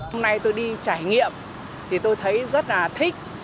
hôm nay tôi đi trải nghiệm thì tôi thấy rất là thích